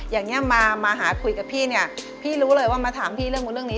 อย่างนี้มาหาคุยกับพี่พี่รู้เลยว่ามาถามพี่เรื่องนี้